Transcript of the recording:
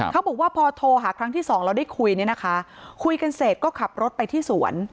เขาบอกว่าพอโทรหาครั้งที่สองแล้วได้คุยเนี่ยนะคะคุยกันเสร็จก็ขับรถไปที่สวน